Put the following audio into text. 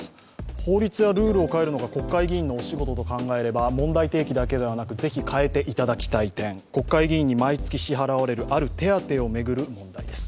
法律やルールを変えるのが国会議員のお仕事と考えれば問題提起だけではなく、ぜひ変えていただきたい点、国会議員に毎月支払われるある手当を巡る問題です。